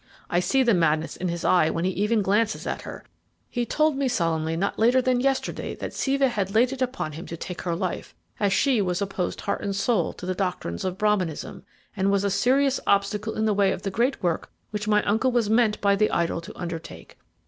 I see the madness in his eye when he even glances at her. He told me solemnly not later than yesterday that Siva had laid it upon him to take her life, as she was opposed heart and soul to the doctrines of Brahminism, and was a serious obstacle in the way of the great work which my uncle was meant by the idol to undertake.